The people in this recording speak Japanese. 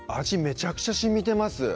めちゃくちゃ染みてます